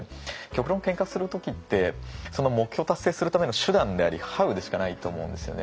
極論けんかする時ってその目標を達成するための手段でありＨｏｗでしかないと思うんですよね。